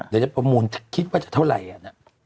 เดี๋ยวจะประมูลคิดว่าจะเท่าไหร่อ่ะนะ